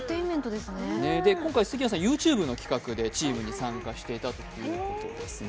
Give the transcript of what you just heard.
今回、杉谷さんＹｏｕＴｕｂｅの企画で参加していたということです。